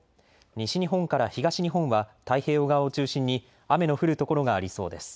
西日本から東日本は太平洋側を中心に雨の降る所がありそうです。